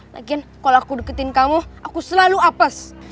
lagian kalau aku deketin kamu aku selalu apes